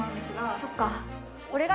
そっか。